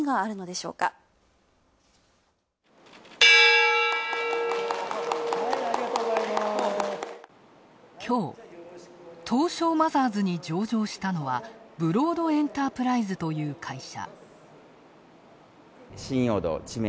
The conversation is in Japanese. きょう、東証マザーズに上場したのはブロードエンタープライズという会社。